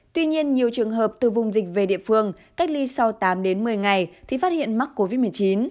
tuy nhiên nhiều trường hợp từ vùng dịch về địa phương cách ly sau tám đến một mươi ngày thì phát hiện mắc covid một mươi chín